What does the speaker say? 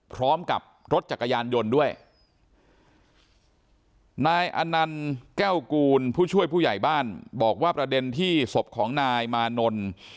พร้อมกับรถจักรยานยนต์ด้วยนายอนันต์แก้วกูลผู้ช่วยผู้ใหญ่บ้านบอกว่าประเด็นที่ศพของนายมานนท์